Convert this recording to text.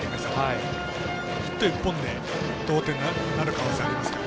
ヒット１本で同点になる可能性がありますね。